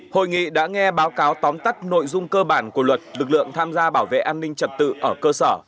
hội nghị đã nghe báo cáo tóm tắt nội dung cơ bản của luật lực lượng tham gia bảo vệ an ninh trật tự ở cơ sở